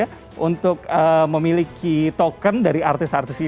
jadi bagaimana cara anda memiliki token dari artis artis ini